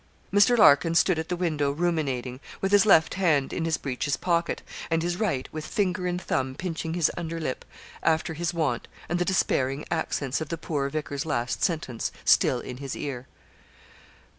Mr. Larkin stood at the window ruminating, with his left hand in his breeches pocket, and his right, with finger and thumb pinching his under lip, after his wont, and the despairing accents of the poor vicar's last sentence still in his ear.